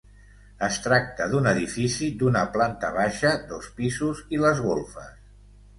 Es tracta d'un edifici d'una planta baixa, dos pisos i les golfes.